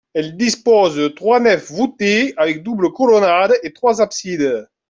Elle dispose de trois nefs voûtées avec double colonnade et trois absides.